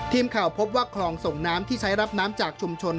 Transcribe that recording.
ทีมข่าวพบว่าคลองส่งน้ำที่ใช้รับน้ำจากชุมชน